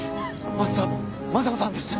松田雅子さんです。